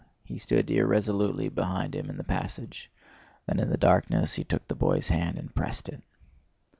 He stood irresolutely beside him in the passage. Then in the darkness he took the boy's hand and pressed it.